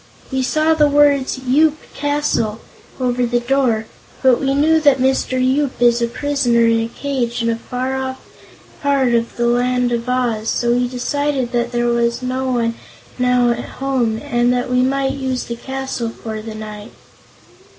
"We saw the words, 'Yoop Castle,' over the door, but we knew that Mr. Yoop is a prisoner in a cage in a far off part of the land of Oz, so we decided there was no one now at home and that we might use the castle for the night."